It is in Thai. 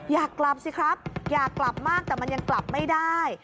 อยากกลับสิครับอยากกลับมากแต่มันยังกลับไม่ได้